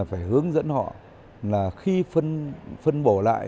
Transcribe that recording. phải hướng dẫn họ là khi phân bổ lại